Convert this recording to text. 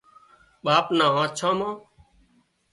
ٻاپ نان آنڇان مان